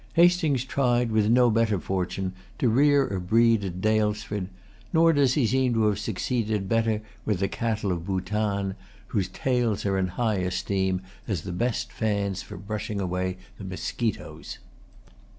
Hastings tried, with no better fortune, to rear a breed at Daylesford; nor does he seem to have succeeded better with the cattle of Bootan, whose tails are in high esteem as the best fans for brushing away the mosquitoes.